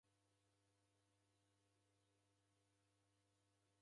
Wovailwa shighadi.